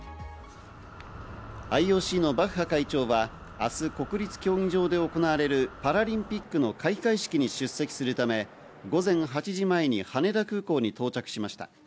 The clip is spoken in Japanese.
ＩＯＣのバッハ会長は明日、国立競技場で行われるパラリンピックの開会式に出席するため、午前８時前に羽田空港に到着しました。